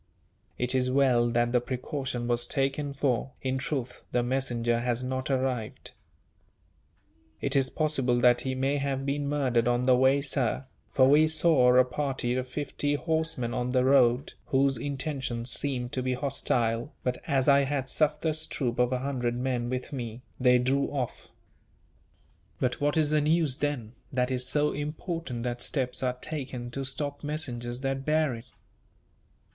"It is well that the precaution was taken for, in truth, the messenger has not arrived." "It is possible that he may have been murdered on the way, sir; for we saw a party of fifty horsemen on the road, whose intentions seemed to be hostile, but as I had Sufder's troop of a hundred men with me, they drew off." "But what is the news, then, that is so important that steps are taken to stop messengers that bear it?"